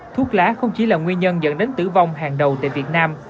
thuốc lá không chỉ là nguyên nhân dẫn đến tử vong hàng đầu tại việt nam